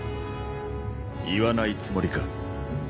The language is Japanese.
言わないつもりか？